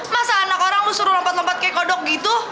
masa anak orang lu suruh lompat lompat kayak kodok gitu